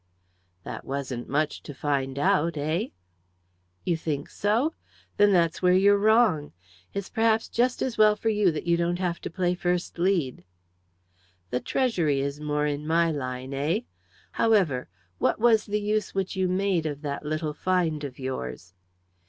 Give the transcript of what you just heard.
"That wasn't much to find out eh?" "You think so? Then that's where you're wrong. It's perhaps just as well for you that you don't have to play first lead." "The treasury is more in my line eh? However, what was the use which you made of that little find of yours?"